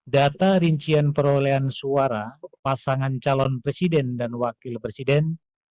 data rincian perolehan suara pasangan calon presiden dan wakil presiden